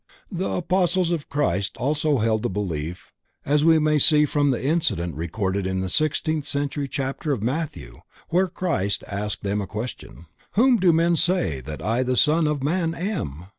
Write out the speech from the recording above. The Apostles of Christ also held the belief as we may see from the incident recorded in the sixteenth chapter of Matthew where the Christ asked them the question: "Whom do men say that I the Son of Man am?"